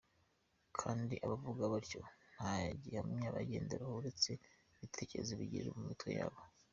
Kandi abavuga batyo nta gihamya bagenderaho uretse ibitekerezo bigirira mu mitwe yabo.